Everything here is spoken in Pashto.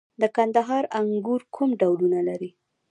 د کندهار انګور کوم ډولونه لري؟